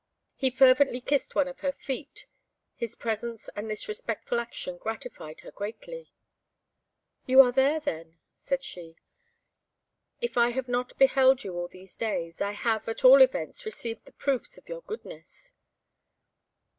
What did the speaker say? He fervently kissed one of her feet; his presence and this respectful action gratified her greatly. "You are there, then," said she. "If I have not beheld you all these days, I have, at all events, received the proofs of your goodness."